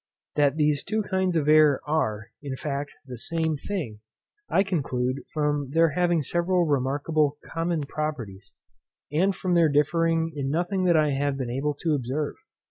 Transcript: That these two kinds of air are, in fact, the same thing, I conclude from their having several remarkable common properties, and from their differing in nothing that I have been able to observe.